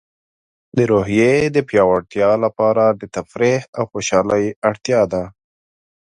د روحیې د پیاوړتیا لپاره د تفریح او خوشحالۍ اړتیا ده.